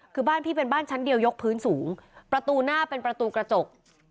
คือบ้านพี่เป็นบ้านชั้นเดียวยกพื้นสูงประตูหน้าเป็นประตูกระจก